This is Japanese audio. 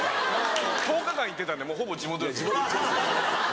１０日間行ってたんでもうほぼ地元です。